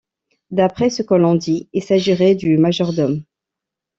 D'après ce que l'on dit, il s'agirait du majordome.